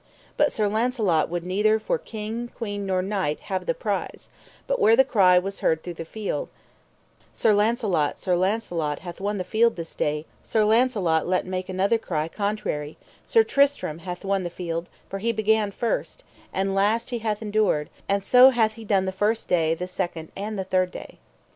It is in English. But Sir Launcelot would neither for king, queen, nor knight, have the prize, but where the cry was cried through the field: Sir Launcelot, Sir Launcelot hath won the field this day, Sir Launcelot let make another cry contrary: Sir Tristram hath won the field, for he began first, and last he hath endured, and so hath he done the first day, the second, and the third day.